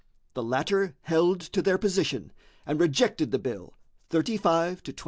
The latter held to their position and rejected the bill, 35 to 23.